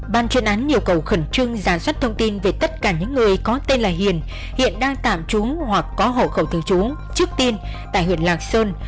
ban chuyên án yêu cầu khẩn trương giả xuất thông tin về tất cả những người có tên là hiền hiện đang tạm trúng hoặc có hậu khẩu thường trúng trước tin tại huyện lạc sơn